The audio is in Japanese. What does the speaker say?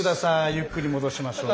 ゆっくり戻しましょう。